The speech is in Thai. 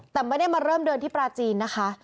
แต่ไม่ได้มาเริ่มเดินที่ปลาจีนนะคะ